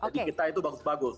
jadi kita itu bagus bagus